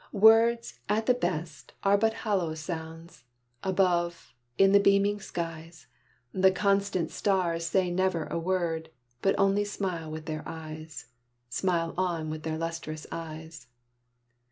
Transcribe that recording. Words, at the best, are but hollow sounds; Above, in the beaming skies, The constant stars say never a word, But only smile with their eyes Smile on with their lustrous eyes.